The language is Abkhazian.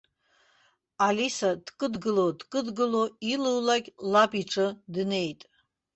Алиса дкыдгыло-дкыдгыло илулак лаб иҿы днеит.